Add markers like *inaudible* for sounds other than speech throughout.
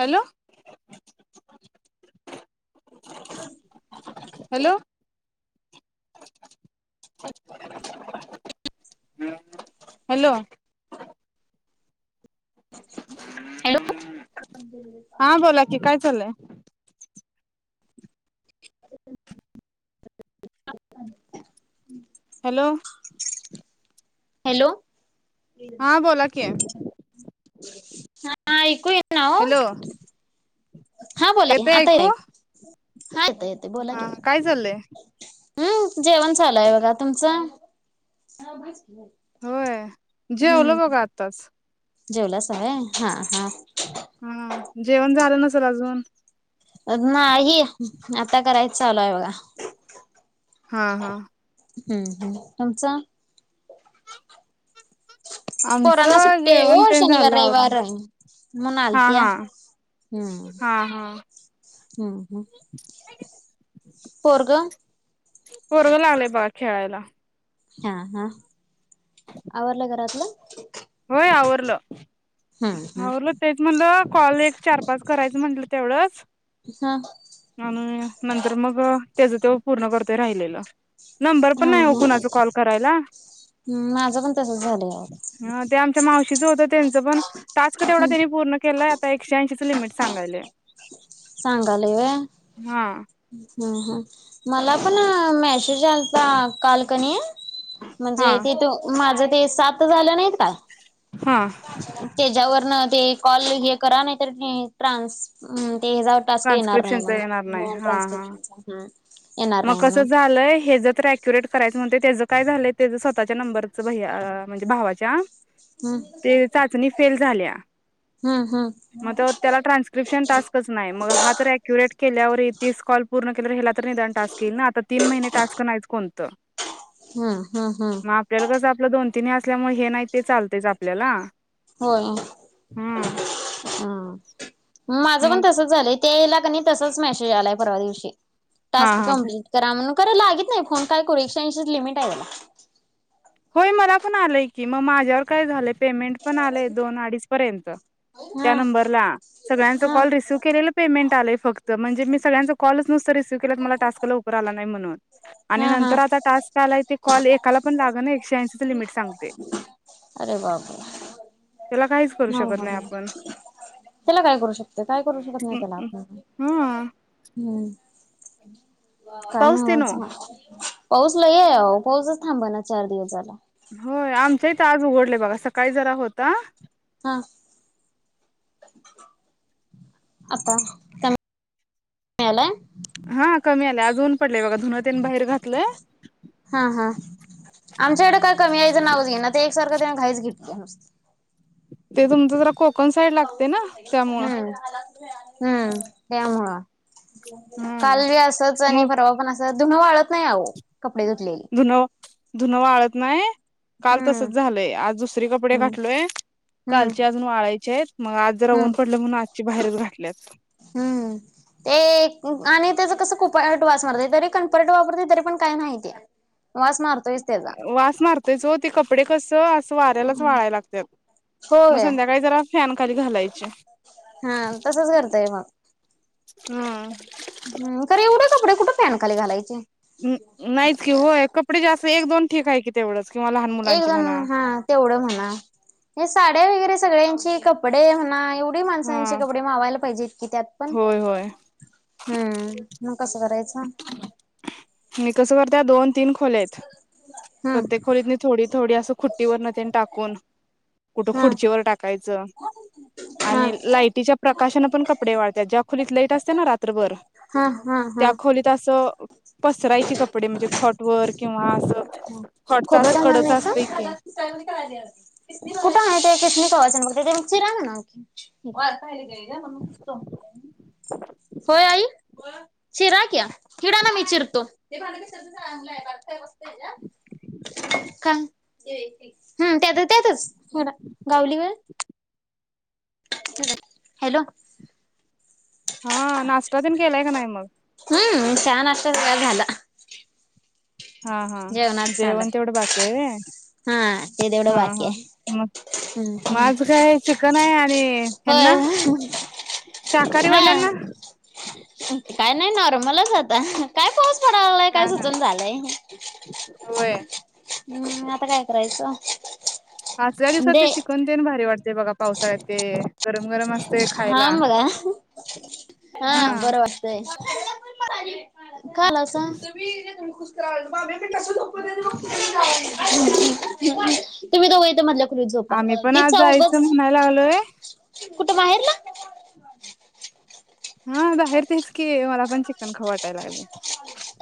Hello. Hello. *inaudible* Hello. Hello हा बोला की काय चाललय? *inaudible* हॅलो. हॅलो. हा बोला की हा ऐकु ये ना हो. हॅलो. हा बोला कि येतय ऐकू आताऐकु. हा येत येते बोला कि, हा काय चाललंय हम्म. जेवण चालूय बघा. तुमच? होय जेवलो बघा आत्ताच. जेवलास व्हय. हा- हा हा. जेवण झाल नसेल अजून. नाही आता करायच चालूय बघा. हा -हा. हम्म. तुमचा आमच पोरांना सुट्टी आहे जेवण हो ते शनिवार झाल आवरून. रविवार म्हणून हा आलत्या हा हा -हा. हम् हम्. पोरग. बरोबर आलय बाळ खेळायला. हा- हा आवरल घरातल. होय आववरल. हम्म आव हम्म तेच म्हटल. कॉल एक चार पाच करायच म्हटल तेवढच. हा आणि नंतर मग त्याच त पूर्ण करतोय राहिलेल. नंबर पण हा नाही हो कुणाचा कॉल करायला. हम. माझ पण तसच झाल हे. ह ते आमच्या मावशीच होत त्यांच पण टास्क च तेवढा त्यांनी पूर्ण केलाय. ते एकशे ऐंशीच लिमिट सांगयले. सांगाले व्हय. हा. हम हा -हा. मला पण मेसेज आला ता. कालकनी आहे हा म्हणजे तेथ माझ ते सात झाल नाहीत का. हा *unintelligible* त्याच्यावरन, ते कॉल हे करा नाही तर ट्रान्स तेच्यावर टास्क येणार नाही ट्रान्स्क्रिप्शनच येणार नाही हा हा म्हूणन *unintelligible* मग कस झालय. हे ज क्युरेट करायच म्हणतेय त्याच काय झालय. त्याच स्वतःच्या नंबरच भ म्हणजे भावाच्या हम्म ते चाचणी फेल झाल्या. हम्म हम्म मग तो त्याला ट्रान्स्क्रपशन टास्कच नाही मग हा तर अक्युरेट केल्यावर तीस कॉल पूर्ण केल्यावर ह्याला निदान टास्क येईल ना, हा तीन महिने टास्क नाहीच कोणत. हम्म हम्म हम्म आपल्याला कस आपल दोन तीन हे असल्यामुळे हे नाही ते चालतच आपल्याला. हम हम. माझ पण मग तसच झालय ते याला क नाही तसाच मेसेज आलाय परवा दिवशी. हा टास्क हा कं्प्लीट करा म्हणून करा लागीत नाही फोन काय करू एकशे ऐंशी च लिमिट आहे त्याला होय मला पण आलय की मग माझ्यावर काय झालय. पेमेंट पण आलय दोन अडीच पर्यंत त्या हा नंबर ला. संगल्याच हा कॉल रिसिइव्ह केले पेमेंट आले फक्त, म्हणजे मी सगळचचा कॉलच नसत रिसीव केलत मला टास्क लवकर आला नाही म्हणून. आणि हा हा नंतर आता टास्क आला ते, कॉल एकाला पण लाग ना एकशे ऐंशीच लिमिट सांगते. अरे बापरे. त्याला काय हो हो हो त्याला काय करू शकते. काय करू शकत नाही त्याला आपण. हा हम्म काय नाय पाऊस ते नो व्हायच म. पाऊस लईये ओ पाऊसच थांबा ना. चार दिवस झाला. होय आमच्या हीत आज उघडले बघा. सकाळी जरा होता. हा. आता कमी मिळालाय *inaudible* हा कमी आले आज ऊन पडले बघा. धुन तेन बाहेर घातलंय हा हा. आमच्याकडे काय कमी यायचं नावच घेईणा. एकसारखं त्यांने घाईच घेतली नुसते. ते तुमचं जरा कोकण साईड लागते ना. त्यामुळं. हम्म हम्म त्यामुळं. हा काल बी असच. मग आणि परवा पण अस धुन वाळत नाही आहो. कपडे धुतलेली. धुन धुन वाळत नाही. काल हम्म तसच झालय. आज दुसरी कपडे हम्म गातलोय. हम्म कालचे अजून वाळायचेयत. मग आज जरा हम्म ऊन पडलंय म्हणून आजची बाहेरच घातल्यात. हम्म. ते आणि त्याचं कसं कुपरट वास मारत. तरी कणपरट वापरते तरी पण काही नाहीती. वास मार वास मारतोयच हो. ते कपडे कस अस वाऱ्यालाच वाळाय लागतात. मग होय संध्याकाळी जरा फॅन खाली घालायचे. हा तसच करतय मग. हम्म. हम्म खर एवढे कपडे कुठे पॅन खाली घालायचे. नाहीच कि होय. कपडे जास्त एक दोन ठीक आहे की तेवढंच. किंवा लहान एक मुलांची दोन म्हणा. हा तेवढं म्हणा. हे साड्या वगैरे सगळ्यांची कपडे म्हणा. एव ते हा माणसांचे कपडे मावायला पाहिजेत की त्यात पण. होय होय हम्म. मग कसं करायचं? मी कस करत्या दोन तीन खोल्यायेत. *inaudible* प्रत्येक खोलीतनी थोडी थोडी असं खुट्टीवर न त्यांन टाकून. कुठं हा खुर्चीवर टाकायचं. हा आणि लाईटीच्या प्रकाशनं पण कपडे वाळतात. ज्या खोलीत लाईट असते ना रात्रभर. ह ह ह. तसं पसरायचे कपडे. म्हणजे कॉट वर किंवा असं कॉटच अस कडच असत की. सानवी का आलीयस. कुठे आहे ते किसमिक. वाचन बगर चिरा म्हनाव. *inaudible* होय आई. चिराकी, इकिडं आणा मी चिरतो. काय हम्म त्यात त्यातच सोडा गावलीवर. हॅलो. हा नाश्ता तेण केलाय का नाही मग? हम्म चहा नाश्ता सगळा झाला. हा हा जेवणाच चालू जेवण तेवढं बाकीेय व्हय? हा ते तेवढं बाकी आय. म आज काय चिकन हाय आणि होय ह्यांना शाकाहारी हा. वाल्यांना काय नाय नॉर्मलच होता काय पाऊस *unintelligible* काय हा हा सुचन झालंय होय हम् आता काय करायचं. आसल्या दिवसात दे ते चिकन तेन भारी वाटतय बघा पावसाळ्यात ते गरम गरम अस हा मगां हा बरं वाटतंय. काला सांग *unintelligible* कुसकरा *unintelligible* मी कस झोपू *unintelligible* तुम्ही दोघं इथं मधल्या खोलीत झोपा आम्ही पण ती आज चौघ जायचं म्हणाय लागलोय कुठं बाहेरला हा बाहेर तेच की मला पण चिकन खाऊ वाटायं लागलय.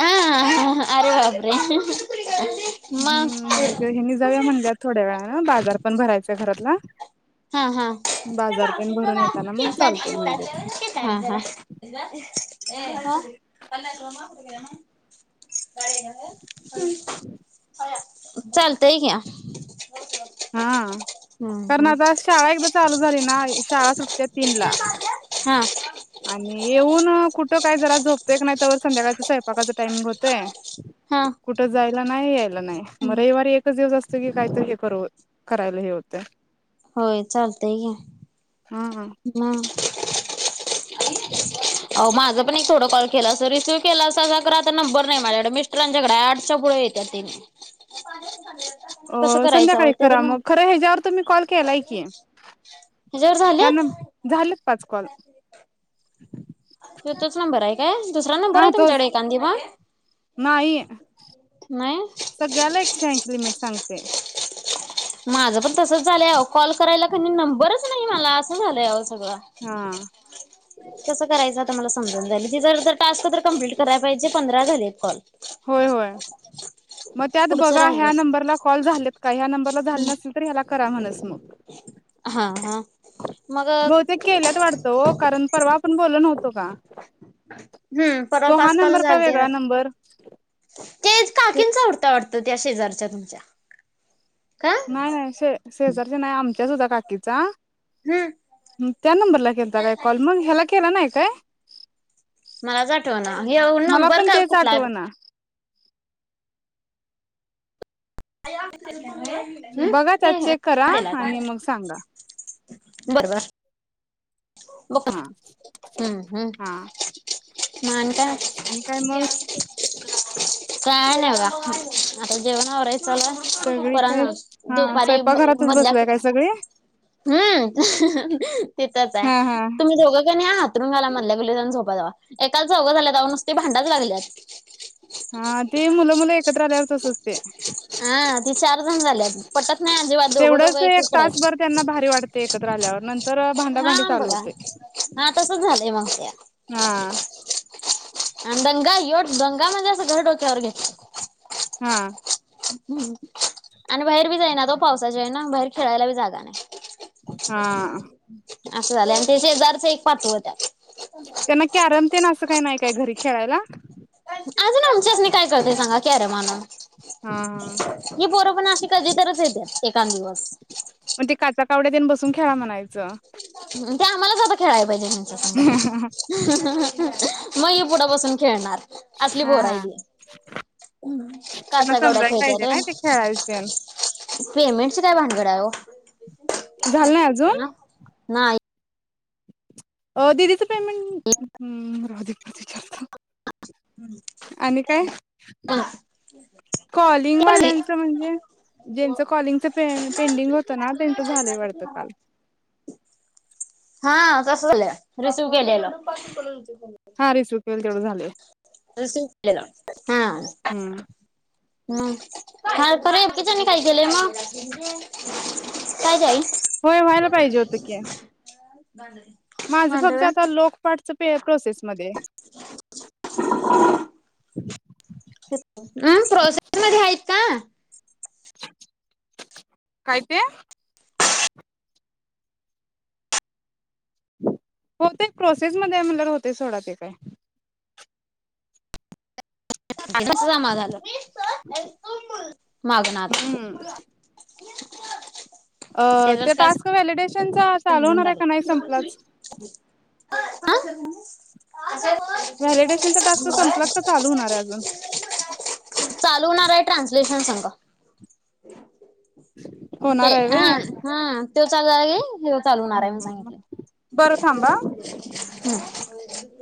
आ हा हा हा अरे बापरे मग हम्म ह्यांनी जाऊ या म्हणल्यात थोड्या वेळान बाजार पण भरायचाय घरातला हा हा ये बाजार तेन मावशे तो *unintelligible* भरून येताना मग चालतंय म्हणलेत. हा हा ये पन्नास रुपये माआ कुठ गेल मं *unintelligible* चालतय क्या हा कारण आता शाळा एकदा चालू झाली ना शाळा सुटत्यात तीन ला हा आणि येऊन कुठं काय जरा झोपतय का नाय तवर संध्याकाळच स्वयंपाकाचं टायमिंग होतंय. हां कुठं जायला नाय यायला नाय म रयवारी एकच दिवस असतं की काय तरी हे करू करायला हे होतंय. होय चालतंय की हूं हूं म *inaudible* आहो माझं पण एक थोडं कॉल केला अस रिसिव्ह केला असता सा खरं आता नंबर नाय माझकड मिस्ट रांच्याकडे हाय आठच्या पुढं येत्यात ते अ संध्याकाळी करा म खरं ह्याज्यावर तुम्ही कॉल केलाय की ह्याच्यावर हया झालेत नंम झालं पाच कॉल ह्यो तोच नंबर हाय काय दुसरा नंबर हा हाय तोच तुमच्याकड एकखांदी म नाही सगळ्याला एकशे ऐंशी लिमिट सांगतय. माझं पण तसंच झालंय आहो कॉल करायला कणी नंबरच नाय मला असं झालंय आहो सगळं हां कसं करायचं आता मला समजू न झालंय ती जर जर टास्क तर कम्प्लीट कराय पाहिजे पंधरा झालेत कॉल होय होय म त्यात पुढचं बघा ह्या राहिलय नंबरला कॉल झालेत काय ह्या नंबरला झाले नसतील तर ह्याला करा म्हणसं म हा हा मग ते केल्यात वाडत ओ कारण परवा आपण बोलो नव्हतो का? हम्म परवा तो हा पाच कॉल नंबर का झालते ना. वेगळा नंबर तेच काकीनचा उडता वाटतं त्या शेजारच्या तुमच्या का नाय नाय शे शेजारच्या नाय आमच्या होत्या काकीचा हम्म ह त्या नंबरला केलता काय कॉल मग ह्याला केला नाय काय? मलाच आठव ना. हे मला नंबर पण का तेच कुठला आहे बघ. आठवना *unintelligible* बघा त्यात चेक करा. हे आणि मग सांगा. बर बर ब हा हम्म हा हम्म मान काय आणि काय ती मग असते. काय नाही बा आता जेवण आवरायच चालू आहे. सगळी परण काय हा दुपारी स्वयंपाकघरातच मधल्या बसलाय काय सगळे हम्म तिथच आहे. हा हा तुम्ही का नाही हातरून घाला मधल्या गु जा झोपा जावा एकाला चौघे झाल्या जाव नुसते भांडाच लागल्यात. हा ते मुल मुल एकत्र आल्यावर तसच असते. हा ती चार जण झालेत. पटत नाही अजिबात दोघ दोघ तेवढंच एक एकीकड आहेत. तासभर त्यांना भारी वाटते एकत्र आल्यावर. नंतर हा भांडाभांडी चालू बघा होते हा तसच झालय मग त्या. हा आणि दंगा एोढ दंगा म्हणजे अस घरच डोकेवर घेतल. हा हम्म आणि बाहेर बी जाईनात हो पावसाच्या यान‌. बाहेर खेळायला बी जागा नाही. हा अस झाल. आणि त्या शेजारच एक पाचव त्यात. त्यांना कॅरम तेन अस काही नाही काय घरी खेळायला. अजुन आमच्यासनी काय कळतय सांगा कॅरमन आणा. हा हा ही पोर पण अशी कधीतच येत्यात एखांद दिवस. मग ते काचा कावड्यात बसून खेळा म्हणायच. ते आम्हाला जादा खेळायला पाहिजे त्यांचसंग. हा मग ही पुढ बसून खेळणार. असली पोर आहेत हा ही. कोण आहे? त्यांना काचा कवड्या समजायला खेळत्यात पाहिजे ना ते खेळायचेन व्हय. पेमेंटची काय भानगड आहे हो. आल नाही अजून. नाही अ ददीच पेमेंट हम्म राऊ दे आणि काय पण कॉलिंग ते पण नाही. वाल्यांच म्हणजे? ज्यांचं कॉलिंगच पे पेंडिंग होत ना त्यांच झालय वाटत काल. हा तस झालेल. रिसीव केलेल. हा रिसीव केल तेवढ झालय. रिसिव्ह केलेल, हा हम्म मग किच्याणी काही केेलेय मग. काय‌ ग आई. होय व्हायला पाहिजे होत की. *unintelligible* माझ फक्त भांडवल आता लोकपाठच पे प्रोसेसमध्ये आहे. *inaudible* अम्म प्रोसेसमध्ये आहेत का? काय ते *inaudible* होतेय प्रोसेसमध्ये आहे म्हणल्यावर होतय सोडा ते काय. *unintelligible* समाज आला मागुन आता. *inaudible* हम्म अ ते त्याचच काय टास्क व्हॅलिडेशनचा चालू होणारे का नाही संपलाच? अ. आ *inaudible* व्हॅलिडेशनचा टास्क संपलाच का चालू होणार आहे अजून? चालू होणारे ट्रान्सलेशन सांग. ते होणार आहे हा व्हय हा त्यो चालू झाला की, हो चालू होणारे हम्म म्हणून हम्म बरं सांगितलय. थांबा हा. हम्म.